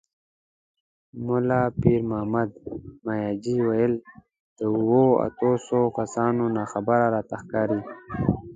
ملا پيرمحمد مياجي وويل: دا اووه، اته سوه کسان ناخبره راته ښکاري.